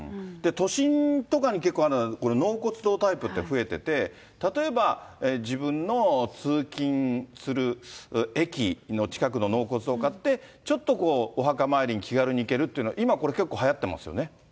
都心とかに結構あるのが、これ、納骨堂タイプって増えてて、例えば、自分の通勤する駅の近くの納骨堂を買って、ちょっとこう、お墓参りに気軽に行けるっていうのは今これ、結構はやってますよ